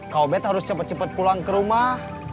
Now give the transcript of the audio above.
kau bet harus cepet cepet pulang ke rumah